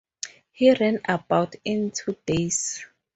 He ran about in two days.